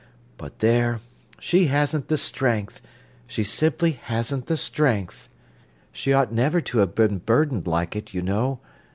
But there, she hasn't the strength—she simply hasn't the strength. She ought never to have been burdened like it, you know.